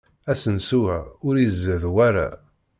Asensu-a ur izad wara.